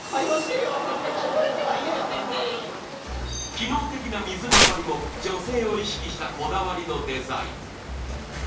機能的な水まわりも女性を意識したこだわりのデザイン。